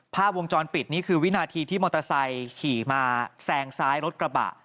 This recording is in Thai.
ภาพวงจรปิดนี่คือวินาทีที่มอเตอร์ไซค์ขี่มาแซงซ้ายรถกระบะ